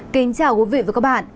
kính chào quý vị và các bạn